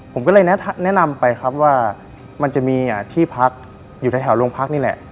ผมก็เลยแนะนำไปครับว่ามันจะมีที่พักอยู่แถวโรงพักนี่แหละ